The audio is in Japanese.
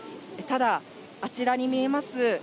ただ、あちらに見えます